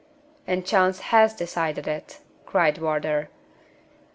"And chance has decided it," cried Wardour.